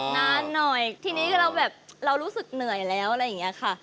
นานหน่อยทีนี้เราแบบเรารู้สึกเหนื่อยแล้วอะไรอย่างนี้ค่ะ